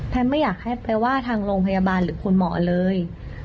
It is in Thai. ไม่อยากให้ไปว่าทางโรงพยาบาลหรือคุณหมอเลย